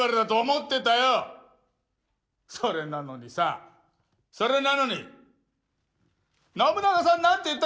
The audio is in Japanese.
それなのにさそれなのに信長さん何て言ったか知ってる？